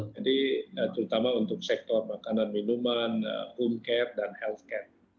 jadi terutama untuk sektor makanan minuman home care dan health care